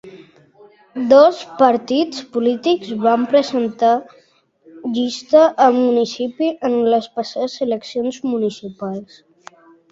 Dos partits polítics van presentar llista al municipi en les passades eleccions municipals.